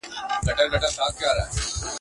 هره خوا ګورم تیارې دي چي ښکارېږي!